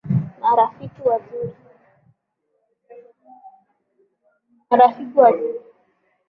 Marafiki wazuri